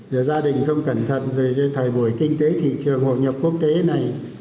giờ gia đình không cẩn thận rồi thời buổi kinh tế thị trường hội nhập quốc tế này